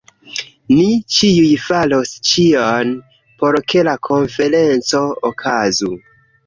Ni ĉiuj faros ĉion, por ke la konferenco okazu.